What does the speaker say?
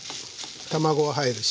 卵が入るし。